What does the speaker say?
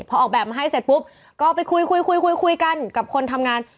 พอออกแบบมาให้เสร็จปุ๊บก็ไปคุยคุยคุยกันกับคนทำงาน